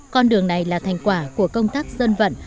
con đường này là thành quả của công tác dân vận